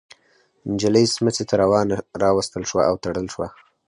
نجلۍ سمڅې ته راوستل شوه او تړل شوه.